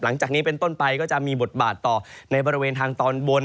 หลังจากนี้เป็นต้นไปก็จะมีบทบาทต่อในบริเวณทางตอนบน